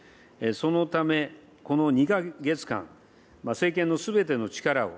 そのため、この２か月間、政権のすべての力を、